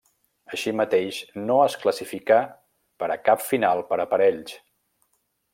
Així mateix no es classificà per a cap final per aparells.